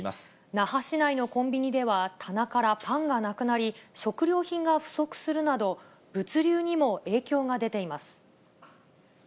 那覇市内のコンビニでは、棚からパンがなくなり、食料品が不足するなど、物流にも影響が出ています。